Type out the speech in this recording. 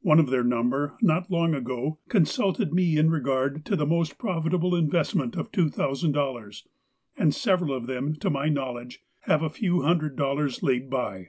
One of their number, not long ago, consulted me in regard to the most profitable investment of $2, 000, and several of them, to my knowledge, have a few hundred dollars laid by.